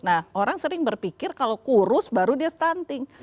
nah orang sering berpikir kalau kurus baru dia stunting